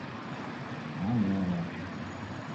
Nanyorwa